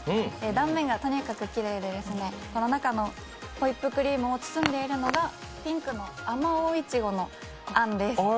断面がとにかくきれいで、中のホイップクリームを包んでいるのがピンクのあまおういちごの餡です。